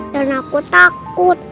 dan aku takut